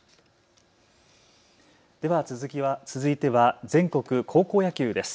では続いては全国高校野球です。